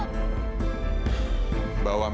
memang p dunet